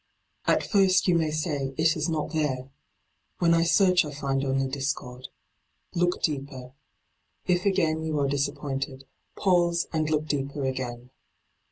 At first you may say it is not there ; when I search I find only discord. Look deeper. If again you are disappointed, pause and look deeper again.